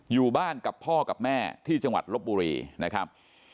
อยู่บ้านกับพ่อกับแม่ที่จังหวัดลบบุรีนะครับ